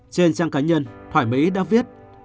trên trang cá nhân thoại mỹ đã viết